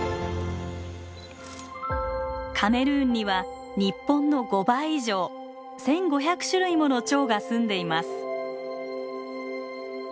カメルーンには日本の５倍以上１，５００種類ものチョウがすんでいます。